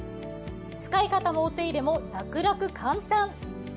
使い方もお手入れも楽々簡単。